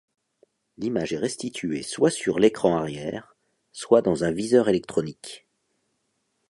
L'image est restituée soit sur l’écran arrière, soit dans un viseur électronique.